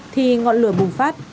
thì ngọn lửa bùng phát